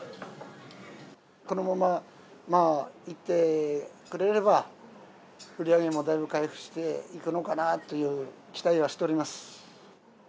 このままいってくれれば、売り上げもだいぶ回復していくのかなという期待はしております。